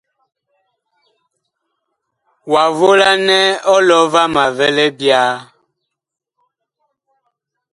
Wa volan ɔlɔ vama vi libyaa.